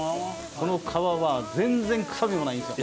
この皮は全然臭みもないんですよ。